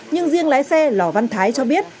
nhưng riêng lái xe lò văn thái cho biết